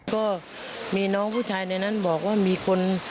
ก็มีน้องผู้ชายในนั้นบอกว่ามีคน